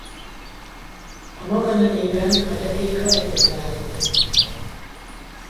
A maga nemében hagyatéka egyedülálló.